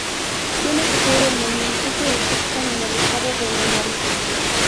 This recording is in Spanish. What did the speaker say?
Tiene su sede en el municipio de Tuxpan en el estado de Nayarit.